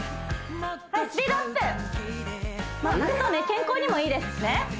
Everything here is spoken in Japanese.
健康にもいいですしね